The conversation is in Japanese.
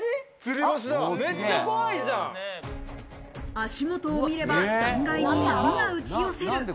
足元を見れば、断崖に波が打ち寄せる。